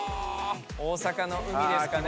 大阪の海ですかね？